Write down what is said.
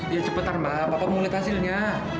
iya kebetulan mas papa mau liat hasilnya